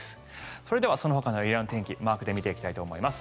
それではそのほかのエリアの天気マークで見ていきたいと思います。